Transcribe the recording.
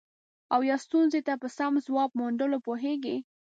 او یا ستونزې ته په سم ځواب موندلو پوهیږي.